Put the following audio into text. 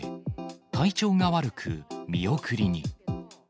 体調が悪く、見送りに。